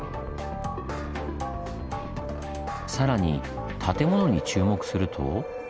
更に建物に注目すると。